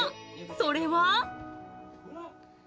それは。